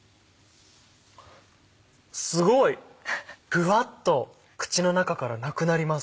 すごい！ふわっと口の中からなくなります。